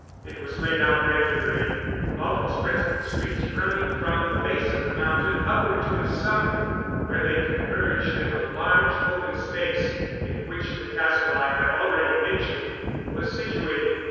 It was laid out regularly, all its principal streets running from the base of the mountain upward to its summit, where they converged in a large open space in which the castle I have already mentioned was situated.